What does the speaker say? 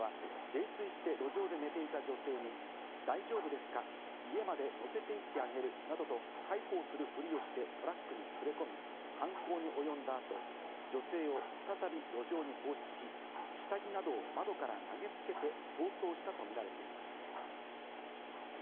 鈴木容疑者は泥酔して路上で寝ていた女性に、大丈夫ですか、家まで乗せて行ってあげるなどと介抱するふりをして、トラックに連れ込み、犯行に及んだ後、女性を再び路上に放置し、下着などを窓から投げつけて逃走したとみられています。